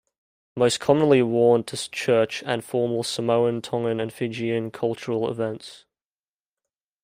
Most commonly worn to church and formal Samoan, Tongan, and Fijian cultural events.